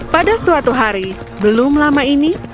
pada suatu hari belum lama ini